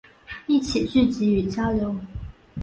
一起聚集与交流